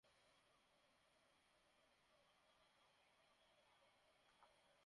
অভিযানে নেতৃত্ব দেন সিআইডির নারী পাচার দমন শাখার ভারপ্রাপ্ত কর্মকর্তা শর্বরী ভট্টাচার্য।